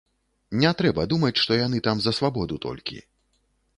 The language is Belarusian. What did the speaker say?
Не трэба думаць, што яны там за свабоду толькі.